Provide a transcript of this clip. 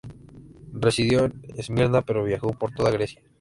Residió en Esmirna pero viajó por toda Grecia.